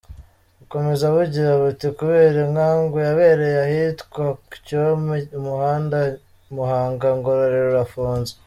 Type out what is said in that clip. Bukomeza bugira buti “Kubera inkangu yabereye ahitwa "Ku Cyome", umuhanda Muhanga-Ngororero urafunze.